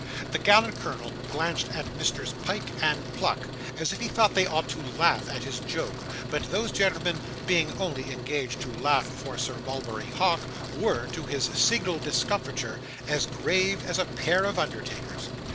The gallant colonel glanced at Messrs Pyke and Pluck as if he thought they ought to laugh at his joke; but those gentlemen, being only engaged to laugh for Sir Mulberry Hawk, were, to his signal discomfiture, as grave as a pair of undertakers.